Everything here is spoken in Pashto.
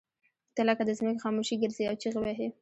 ته لکه د ځمکې خاموشي ګرځې او چغې وهې.